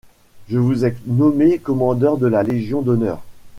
Je vous ai nommés commandeurs de la Légion d’honneur.